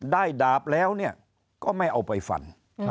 ได้ดาบแล้วเนี่ยก็ไม่เอาไปฝัน